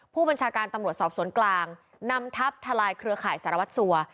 ผู้บัญชาการตำรวจสอบสวนกลางนำทัพทลายเครือข่ายสารวัตรสัว